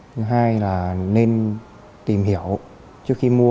thứ hai là nên tìm hiểu trước khi mua